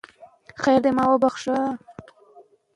امام قلي خان په ډېرو جګړو کې لوی فتوحات کړي ول.